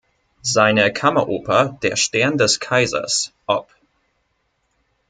Seine Kammeroper "Der Stern des Kaisers" op.